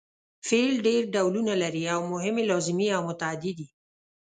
فعل ډېر ډولونه لري او مهم یې لازمي او متعدي دي.